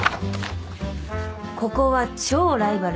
ここは超ライバル。